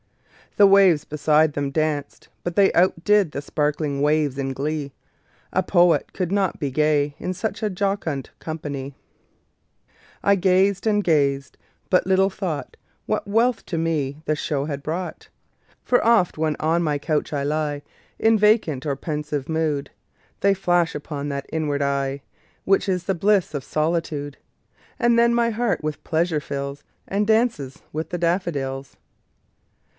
The waves beside them danced; but they Outdid the sparkling waves in glee; A poet could not but be gay, In such a jocund company; I gazed and gazed but little thought What wealth to me the show had brought: For oft, when on my couch I lie In vacant or in pensive mood, They flash upon that inward eye Which is the bliss of solitude; And then my heart with pleasure fills, And dances with the daffodils.